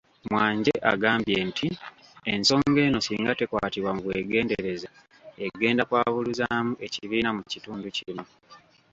Mwanje agambye nti ensonga eno singa tekwatibwa mu bwegendereza egenda kwabuluzaamu ekibiina mukitundu kino.